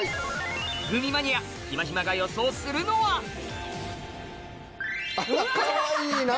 グミマニアひまひまが予想するのはかわいいな！